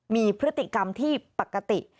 มีพฤติกรรมที่ปกติ